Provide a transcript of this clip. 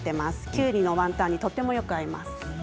きゅうりのワンタンにとてもよく合います。